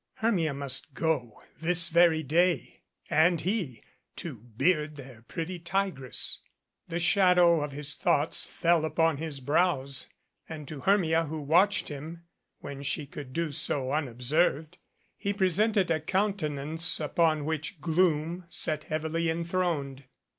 Hermia must go this very day and he to beard their pretty tigress. The shadow of his thoughts fell upon his brows, and to Hermia, who watched him, when she could do so unob served, he presented a countenance upon which gloom sat heavily enthroned.